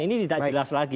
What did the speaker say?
ini tidak jelas lagi